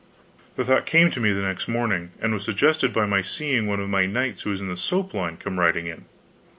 The thought came to me the next morning, and was suggested by my seeing one of my knights who was in the soap line come riding in.